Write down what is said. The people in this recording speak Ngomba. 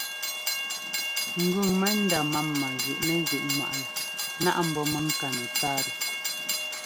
Ŋgʉŋ mɛndá máma zʉꞌnɛzíꞌŋwaꞌnɛ náꞌ ḿbɔ́ mɛŋká nɛtsáatɛ.